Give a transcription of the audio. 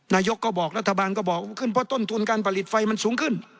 นายกก็บอกรัฐบาลก็บอกขึ้นเพราะต้นทุนการผลิตไฟมันสูงขึ้น